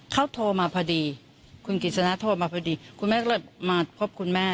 เขาโทรมาพอดีคุณกิจสนะโทรมาพอดีคุณแม่ก็เลยมาพบคุณแม่